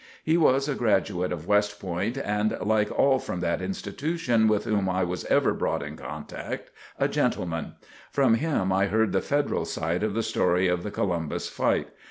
He was a graduate of West Point, and, like all from that institution with whom I was ever brought in contact, a gentleman. From him I heard the Federal side of the story of the Columbus fight.